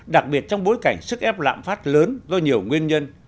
đặc biệt trong bối cảnh sức ép lạm phát lớn do nhiều nguyên nhân